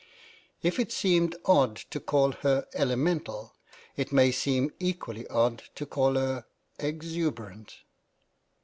If it seemed odd to call her elemental, it may seem equally odd to call her exuberant.